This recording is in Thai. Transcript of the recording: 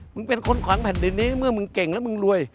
เป็นคนขวางแผ่นดินนี้เมื่อมึงเก่งแล้วมึงรวย